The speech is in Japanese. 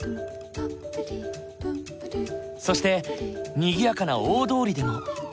そしてにぎやかな大通りでも。